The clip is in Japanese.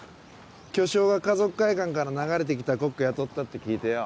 巨匠が華族会館から流れてきたコック雇ったって聞いてよ